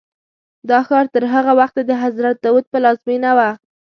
دا ښار تر هغه وخته د حضرت داود پلازمینه وه.